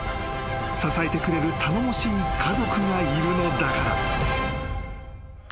［支えてくれる頼もしい家族がいるのだから］